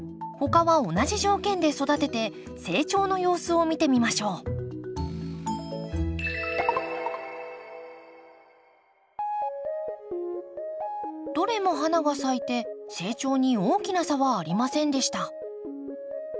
他は同じ条件で育てて成長の様子を見てみましょうどれも花が咲いて成長に大きな差はありませんでした。